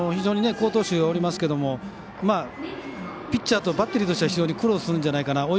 好投手がおりますけどもピッチャーとバッテリーとしては非常に苦労するんじゃないかな。